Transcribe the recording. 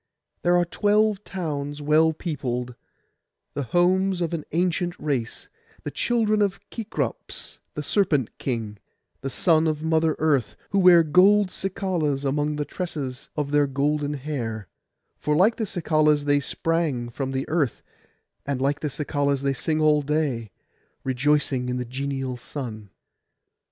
There are twelve towns well peopled, the homes of an ancient race, the children of Kekrops the serpent king, the son of Mother Earth, who wear gold cicalas among the tresses of their golden hair; for like the cicalas they sprang from the earth, and like the cicalas they sing all day, rejoicing in the genial sun.